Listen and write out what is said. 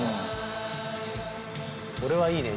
これはいいね